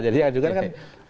jadi yang diajukan kan